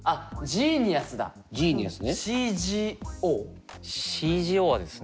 ＣＧＯはですね